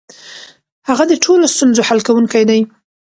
هغه د ټولو ستونزو حل کونکی دی.